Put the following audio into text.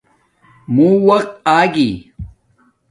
موں وقت آگی